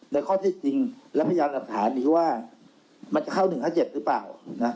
ในข้อที่จริงและพยายามหลักฐานนี้ว่ามันจะเข้าหนึ่งห้าเจ็ดหรือเปล่านะ